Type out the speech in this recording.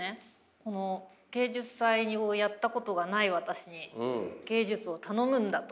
この芸術祭をやったことがない私に芸術を頼むんだと。